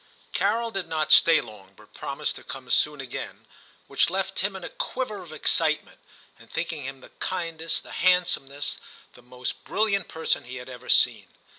Carol did not stay long, but promised to come soon again, which left Tim in a quiver of excitement, and thinking him the kindest, the handsomest, the most brilliant person he had ever seen.